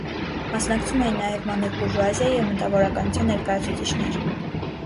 Մասնակցում էին նաև մանր բուրժուազիայի և մտավորականության ներկայացուցիչներ։